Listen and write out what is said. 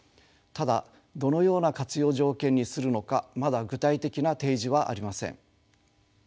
ただどのような活用条件にするのかまだ具体的な提示はありません。